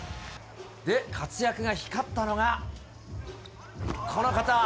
活躍が光ったのが、この方。